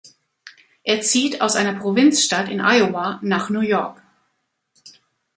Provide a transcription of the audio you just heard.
Er zieht aus einer Provinzstadt in Iowa nach New York.